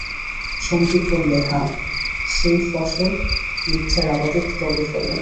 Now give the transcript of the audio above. সন্দীপ বললে, হাঁ, সেই ফসল মিথ্যের আবাদে তবে ফলে।